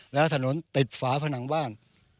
แล้วถนนติดฝาผนังบ้าน